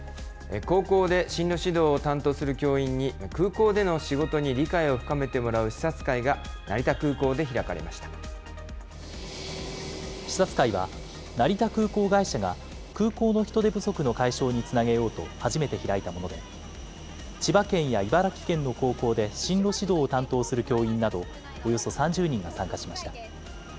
高校で進路指導を担当する教員に、空港での仕事に理解を深めてもらう視察会が成田空港で開かれまし視察会は、成田空港会社が空港の人手不足の解消につなげようと初めて開いたもので、千葉県や茨城県の高校で進路指導を担当する教員などおよそ３０人が参加しました。